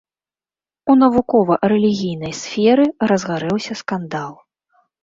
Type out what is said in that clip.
У навукова-рэлігійнай сферы разгарэўся скандал.